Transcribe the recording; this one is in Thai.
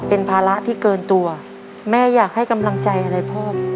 เป็นภาระที่เกินตัวแม่อยากให้กำลังใจอะไรพ่อ